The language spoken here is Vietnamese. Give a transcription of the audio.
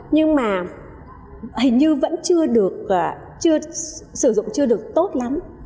nhưng mà hình như vẫn chưa được sử dụng chưa được tốt lắm